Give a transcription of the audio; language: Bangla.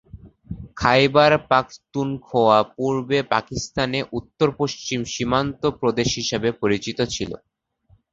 খাইবার পাখতুনখোয়া পূর্বে পাকিস্তানের উত্তর-পশ্চিম সীমান্ত প্রদেশ হিসাবে পরিচিত ছিল।